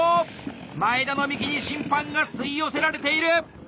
前田の幹に審判が吸い寄せられている！